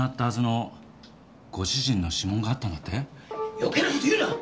余計な事を言うな！